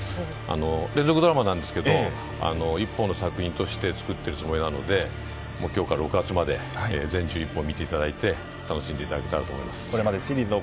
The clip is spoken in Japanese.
連続ドラマなんですが１本の作品として作っているつもりなので今日から６月まで全１１本見ていただいてこれまでシリーズを